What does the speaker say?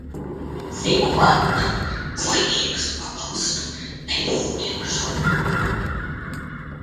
Simulantam slimības pabalstu neizsniegšot.